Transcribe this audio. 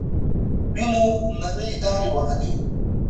وينو نرۍ دارې وهلې.